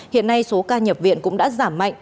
hiện nay số ca nhập viện cũng đã giảm mạnh